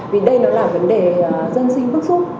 vì đây nó là vấn đề dân sinh bước xuống